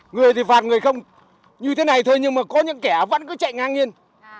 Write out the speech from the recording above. người thì phạt người không như thế này thôi nhưng mà có những kẻ vẫn cứ chạy ngang nhiên